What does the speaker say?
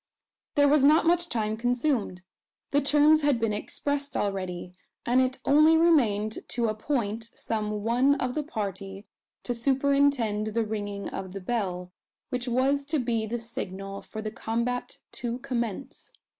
There was not much time consumed. The terms had been expressed already; and it only remained to appoint some one of the party to superintend the ringing of the bell, which was to be the signal for the combat to commence.